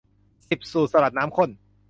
สิบ สูตรสลัดน้ำข้น